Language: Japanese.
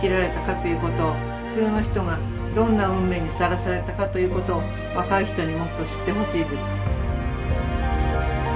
普通の人がどんな運命にさらされたかということを若い人にもっと知ってほしいです。